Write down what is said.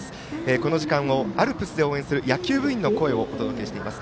この時間をアルプスで応援する野球部員の声をお届けしています。